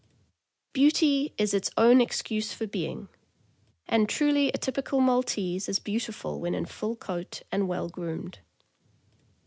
"Beauty is its own excuse for being," and truly a typical Maltese is beautiful when in full coat and well groomed.